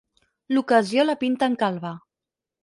L'ocasió la pinten calba.